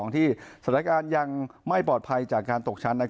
ที่สถานการณ์ยังไม่ปลอดภัยจากการตกชั้น